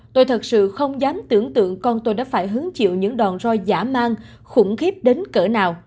tôi thật sự không dám tưởng tượng con tôi đã phải hứng chịu những đòn roi giả mang khủng khiếp đến cỡ nào